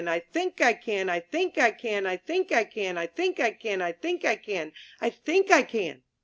I think I can! I think I can! I think I can! I think I can! I think I can! I think I can!'